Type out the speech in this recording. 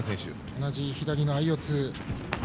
同じ左の相四つ。